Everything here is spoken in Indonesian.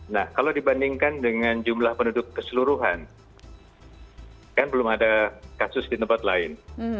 nah kalau dibandingkan dengan jumlah penduduk keseluruhan kan belum ada kasus di tempat lain